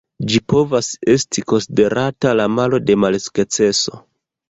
Ĝi povas esti konsiderata la malo de malsukceso.